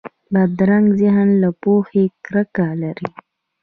بدرنګه ذهن له پوهې کرکه لري